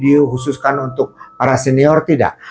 di khususkan untuk para senior tidak